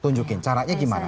tunjukin caranya gimana